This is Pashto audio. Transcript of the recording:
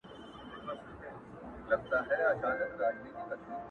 • څوک د ورور په توره مړ وي څوک پردیو وي ویشتلي,